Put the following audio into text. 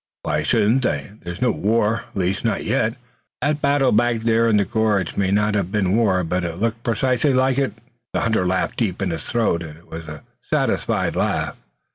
"Why shouldn't they? There's no war, at least not yet." "That battle back there in the gorge may not have been war, but it looked precisely like it." The hunter laughed deep in his throat, and it was a satisfied laugh.